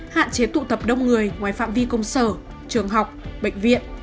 hạn chế tụ tập đông người ngoài phạm vi công sở trường học bệnh viện